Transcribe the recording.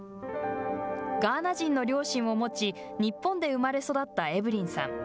ガーナ人の両親を持ち日本で生まれ育ったエブリンさん。